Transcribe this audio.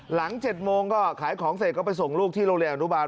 ๗โมงก็ขายของเสร็จก็ไปส่งลูกที่โรงเรียนอนุบาล